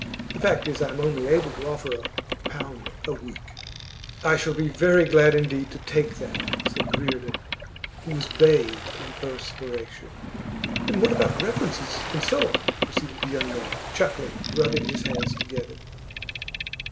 The fact is, I am only able to offer a pound a week.' 'I shall be very glad indeed to take that,' said Reardon, who was bathed in perspiration. 'Then what about references, and so on?' proceeded the young man, chuckling and rubbing his hands together.